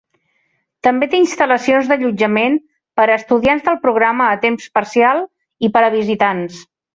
També té instal·lacions d'allotjament per a estudiants del programa a temps parcial i per a visitants.